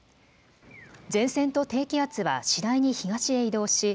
前線と低気圧は次第に東へ移動し